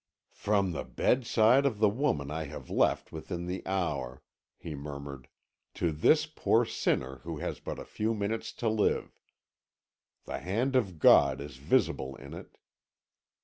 "From the bedside of the woman I have left within the hour," he murmured, "to this poor sinner who has but a few minutes to live! The hand of God is visible in it."